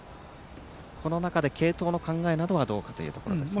この中で継投の考えなどはどうかというところですね。